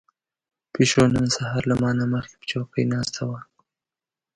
پيشو نن سهار له ما نه مخکې په چوکۍ ناسته وه.